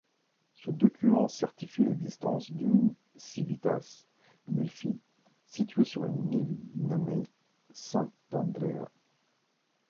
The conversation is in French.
Ce document certifie l’existence d’une civitas, Melfi, située sur une île nommée Sant'Andrea.